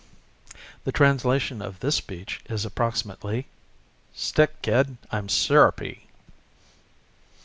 The translation of this speech is approximately, "Stick, kid, I'm syrupy."